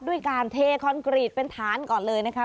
ด้วยการเทคอนกรีตเป็นฐานก่อนเลยนะคะ